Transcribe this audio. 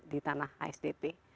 di tanah isdp